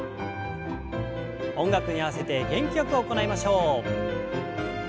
音楽に合わせて元気よく行いましょう。